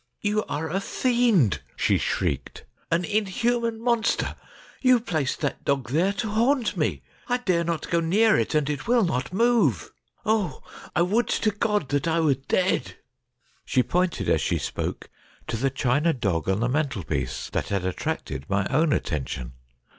' You are a fiend !' she shrieked, ' an inhuman monster ! You placed that dog there to haunt me. I dare not go near it, and it will not move. Oh ! would to God that I were dead !' K i3o STORIES WEIRD AND WONDERFUL She pointed as she spoke to the china dog on the mantel piece that had attracted my own attention.